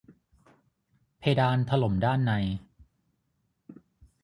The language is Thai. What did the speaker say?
เพดานถล่มด้านใน